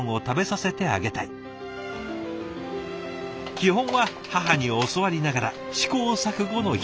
基本は母に教わりながら試行錯誤の日々。